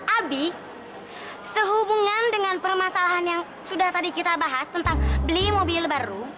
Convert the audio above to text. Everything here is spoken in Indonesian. abi sehubungan dengan permasalahan yang sudah tadi kita bahas tentang beli mobil baru